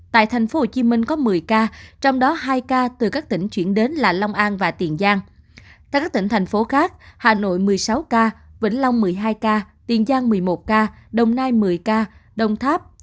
tại tp hcm có một mươi ca trong đó hai ca từ các tỉnh chuyển đến là long an và tiền giang